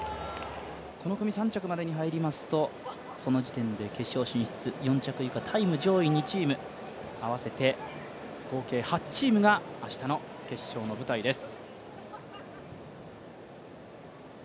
この組３着までに入りますとその時点で決勝進出、４着以下、タイム上位２チーム合わせて合計８チームが明日の決勝の舞台です。